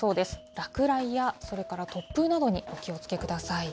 落雷やそれから突風などにお気をつけください。